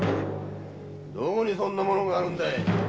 どこにそんな物があるんだい！